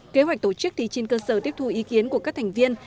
kế hoạch tổ chức thì trên cơ sở tiếp thu ý kiến của các thành viên